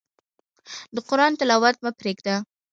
د قرآن تلاوت مه پرېږده.